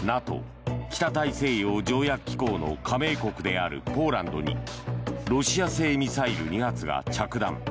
・北大西洋条約機構の加盟国であるポーランドにロシア製ミサイル２発が着弾。